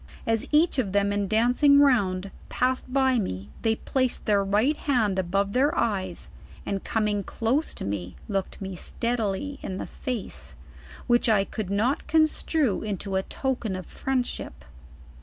As each of them in dancing round, passed by me they placed their right hand above their eyes, and coming close to me, looked ine steadily in the face, which I could not construe into a token of friendship.